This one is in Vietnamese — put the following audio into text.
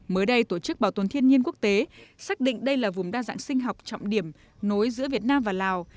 mới đây tổ chức bảo tồn thiên nhiên quốc tế xác định đây là vùng đa dạng sinh học trọng điểm nối giữa việt nam và lào